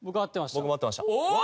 僕も合ってました。